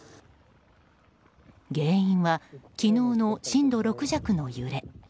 原因は、昨日の震度６弱の揺れ。